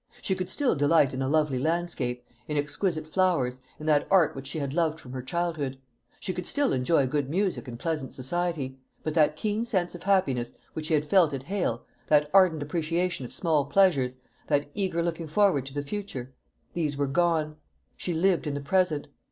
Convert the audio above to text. She could still delight in a lovely landscape, in exquisite flowers, in that art which she had loved from her childhood she could still enjoy good music and pleasant society; but that keen sense of happiness which she had felt at Hale, that ardent appreciation of small pleasures, that eager looking forward to the future these were gone. She lived in the present.